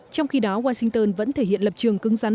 trong khi đó washington vẫn thể hiện lập trường cứng rắn